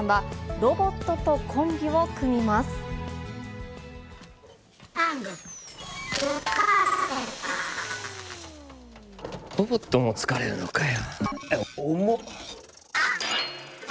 ロボットも疲れるのかよ。